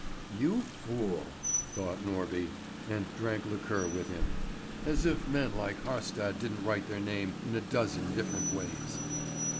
"You fool!" thought Norby, and drank liqueur with him. "As if men like Haarstad didn't write their name in a dozen different ways.